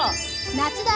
「夏だ！